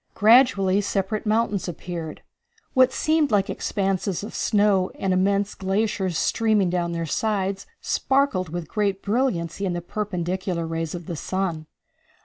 Gradually separate mountains appeared. What seemed like expanses of snow and immense glaciers streaming down their sides sparkled with great brilliancy in the perpendicular rays of the sun.